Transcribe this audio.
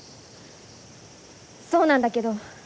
そうなんだけど。